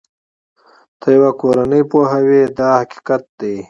ته یوه کورنۍ پوهوې دا حقیقت دی.